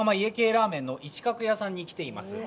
ラーメン屋さんにきています。